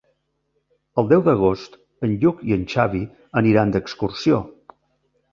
El deu d'agost en Lluc i en Xavi aniran d'excursió.